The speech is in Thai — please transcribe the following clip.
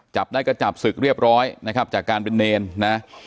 จับได้ก็จับศึกเรียบร้อยนะครับจากการเป็นเนรนะ